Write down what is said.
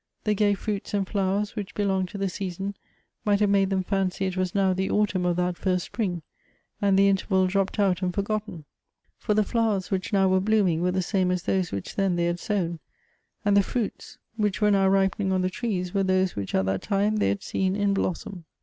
The gay fruits .and flowers which belonged to the season, might have made them fancy it was now the autumn of that first spring, and the interval dropped out and forgotten ; for the flowers which now were blooming, were the same as those which then they had sown, and the fruits which were now ripening on the trees, were those Avhich at that time they had seen in blossom.